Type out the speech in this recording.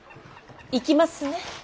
行きますね。